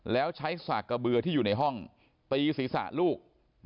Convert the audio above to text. แล้วใช้สากกระเบือที่อยู่ในห้องตีศีรษะลูก